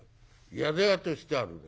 宿屋としてあるね。